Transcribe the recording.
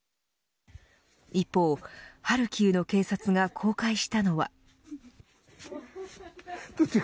一方、ハルキウの警察が公開したのは。